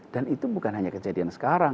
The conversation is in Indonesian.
dan itu bukan hanya kejadian sekarang